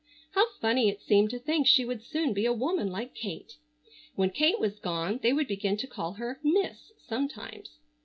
How funny it seemed to think she would soon be a woman like Kate. When Kate was gone they would begin to call her "Miss" sometimes.